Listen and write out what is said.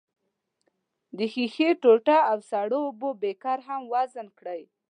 د ښيښې ټوټه او سړو اوبو بیکر هم وزن کړئ.